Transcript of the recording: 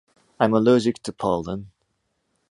I am allergic to pollen.